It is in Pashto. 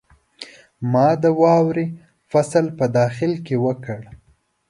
ما د واورې فصل په داخل کې وکړ.